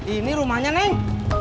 ini rumahnya neng